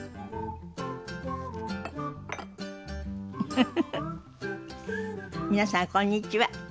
フフフフ皆さんこんにちは。